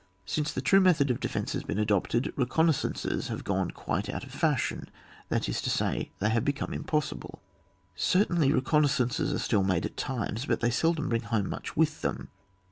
— Since the true method of defence has been adopted, reconnaissances have gone quite out of fashion, that is to say, they have become impossible. Certainly recon naissances are still made at times, but they seldom bring home much with them.